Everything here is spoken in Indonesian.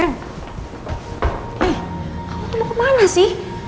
kamu mau kemana sih